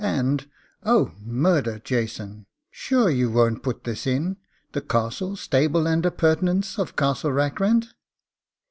'And oh, murder, Jason! sure you won't put this in the castle, stable, and appurtenances of Castle Rackrent?